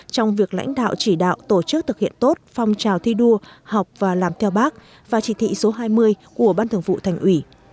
trong việc lãnh đạo chỉ đạo tổ chức thực hiện tốt phong trào thi đua học và làm theo bác và chỉ thị số hai mươi của ban thường vụ thành ủy